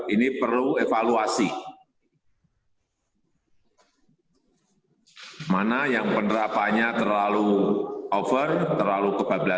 ini perlu evaluasi